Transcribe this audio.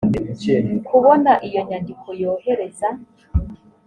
kubona iyo nyandiko yohereza